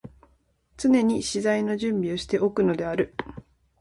常に詩材の準備をして置くのである。